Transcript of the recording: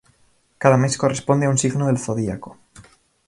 Cada mes corresponde a un signo del zodíaco.